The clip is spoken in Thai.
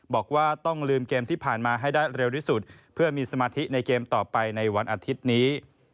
บอกว่าต้องลืมเกมที่ผ่านมาให้ได้เร็วที่สุดเพื่อมีสมาธิในเกมต่อไปในวันอาทิตย์นี้